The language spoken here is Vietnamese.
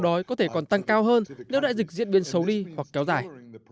đói có thể còn tăng cao hơn nếu đại dịch diễn biến xấu đi hoặc kéo dài